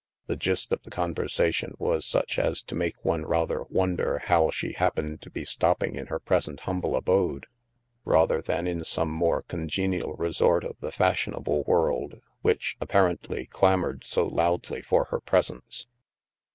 The gist of THE MAELSTROM 115 the conversation was such as to make one rather wonder how she happened to be stopping in her present humble abode rather than in some more congenial resort of the fashionable world, which, apparently, clamored so loudly for her presence.